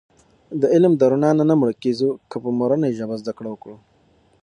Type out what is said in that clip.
د علم د رڼا نه مړکېږو که په مورنۍ ژبه زده کړه وکړو.